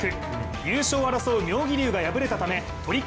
優勝を争う妙義龍が敗れたため取組